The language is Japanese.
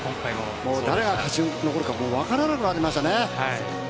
誰が勝ち残るか分からなくなりました。